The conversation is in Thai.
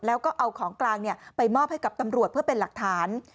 แล้วก็เอาของกลางไปมอบให้กับตำรวจเพื่อเป็นหลักฐาน